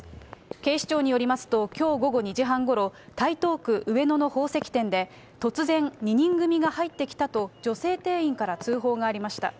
警視庁によりますと、きょう午後２時半ごろ、台東区上野の宝石店で、突然、２人組が入ってきたと、女性店員から通報がありました。